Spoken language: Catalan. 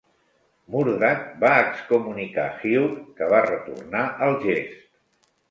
Murdac va excomunicar Hugh, que va retornar el gest.